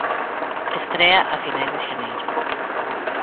Estrea a finais de xaneiro.